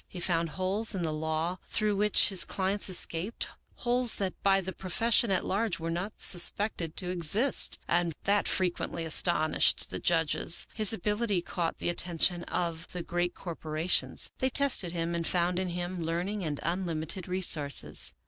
He found holes in the law through which his clients escaped, holes that by the profession at large were not suspected to exist, and that frequently astonished the judges. His ability caught the attention of the great corporations. They tested him and found in him learning and unlimited resources.